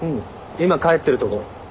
今帰ってるとこ。